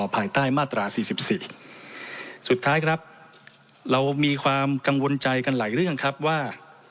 ภายใต้มาตรา๔๔สุดท้ายครับเรามีความกังวลใจกันหลายเรื่องครับว่า